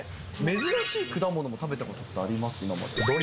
珍しい果物を食べたことってあります？